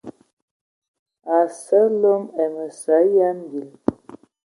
A sas nlo ai məsɔ ya mbil.